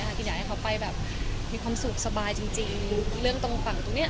คืออยากให้เขาไปแบบมีความสุขสบายจริงเรื่องตรงฝั่งตรงนี้